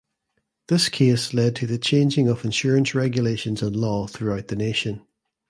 This case led to the changing of insurance regulations and law throughout the nation.